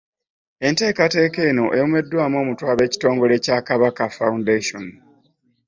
Enteekateeka eno ewomeddwamu omutwe ab'ekitongole kya Kabaka Foundation.